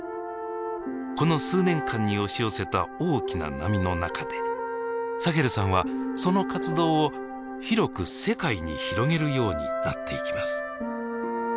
この数年間に押し寄せた大きな波の中でサヘルさんはその活動を広く世界に広げるようになっていきます。